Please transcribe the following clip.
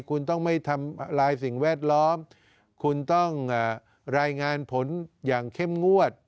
คุณต้องไม่ทำลายสิ่งแวดล้อมคุณต้องรายงานผลอย่างเข้มงวด